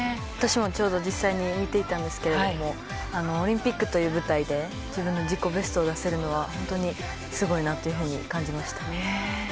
私もちょうど実際に見ていたんですけどオリンピックという舞台で自分の自己ベストを出せるのは本当にすごいなと感じました。